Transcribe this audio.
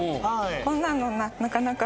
こんなのなかなかない。